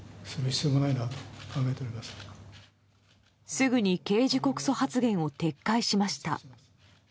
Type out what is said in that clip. すぐに刑事告訴発言を撤回しました。